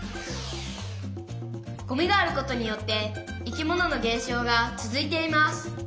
「ゴミがあることによって生き物の減少が続いています」。